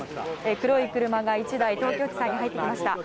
黒い車が１台東京地裁に入ってきました。